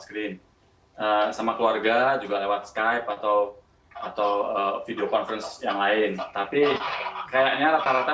screen sama keluarga juga lewat skype atau video conference yang lain tapi kayaknya rata rata